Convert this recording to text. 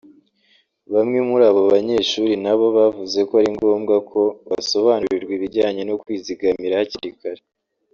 Bamwe muri abo banyeshuri na bo bavuze ko ari ngombwa ko basobanurirwa ibijyanye no kwizigamira hakiri kare